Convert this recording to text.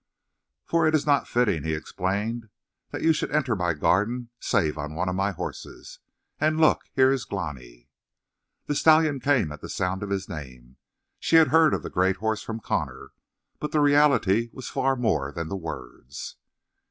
"For it is not fitting," he explained, "that you should enter my garden save on one of my horses. And look, here is Glani." The stallion came at the sound of his name. She had heard of the great horse from Connor, but the reality was far more than the words.